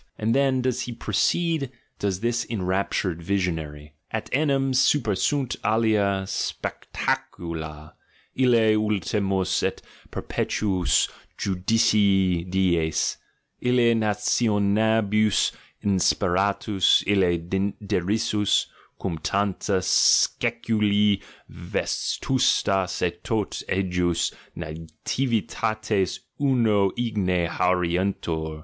And then does he proceed, does this enraptured visionary: "at enim super sunt alia spectacula, Me ultimas et perpetuus judicii dies, Me nationibus insperatus, Me derisus, cum tanta sceculi vetustas et tot ejus nativitates uno igne haurientur.